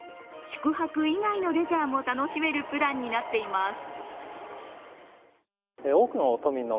宿泊以外のレジャーも楽しめるプランになっています。